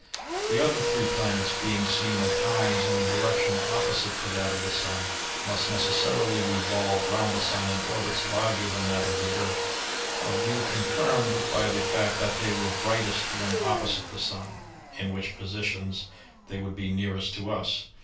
The other three planets, being seen at times in a direction opposite to that of the Sun, must necessarily revolve round the Sun in orbits larger than that of the Earth, a view confirmed by the fact that they were brightest when opposite the Sun (in which positions they would be nearest to us).